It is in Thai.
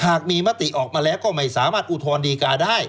หากมีมติออกมาแล้วก็ไม่สามารถอุทธรณดีการ์ได้